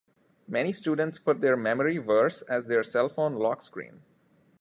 Many students put their memory verse as their cellphone lock screen.